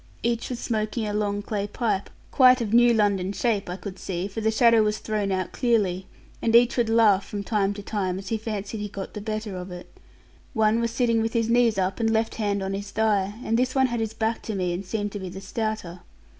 Each was smoking a long clay pipe, quite of new London shape, I could see, for the shadow was thrown out clearly; and each would laugh from time to time, as he fancied he got the better of it. One was sitting with his knees up, and left hand on his thigh; and this one had his back to me, and seemed to be the stouter.